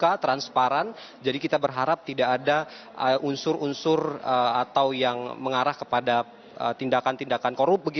kita transparan jadi kita berharap tidak ada unsur unsur atau yang mengarah kepada tindakan tindakan korup